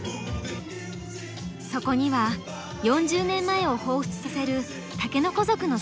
そこには４０年前をほうふつさせる竹の子族の姿が！